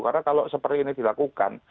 karena kalau seperti ini dilakukan